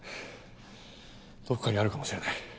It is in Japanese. どこかにあるかもしれない。